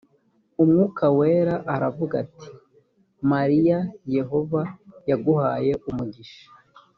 umwuka wera aravuga ati mariya yehova yaguhaye umugisha